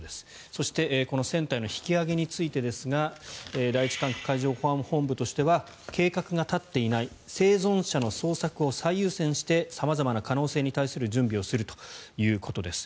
そして船体の引き揚げについてですが第一管区海上保安本部としては計画が立っていない生存者の捜索を最優先して様々な可能性に対する準備をするということです。